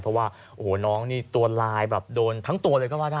เพราะว่าโอ้โหน้องนี่ตัวลายแบบโดนทั้งตัวเลยก็ว่าได้